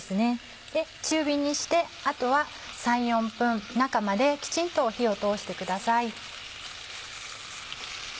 中火にしてあとは３４分中まできちんと火を通してください。